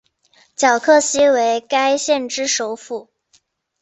皎克西为该县之首府。